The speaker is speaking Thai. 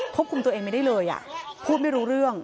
คุมตัวเองไม่ได้เลยพูดไม่รู้เรื่อง